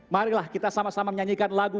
marilah kita sama sama menyanyikan lagu